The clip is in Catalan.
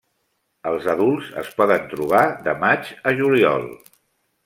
Els adults es poden trobar de maig a juliol.